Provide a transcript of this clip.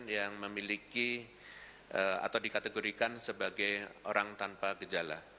yang memiliki atau dikategorikan sebagai orang tanpa gejala